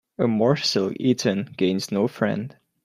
A morsel eaten gains no friend